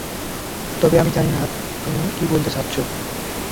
তবে আমি জানি না, তুমি কি বলতে চাচ্ছো?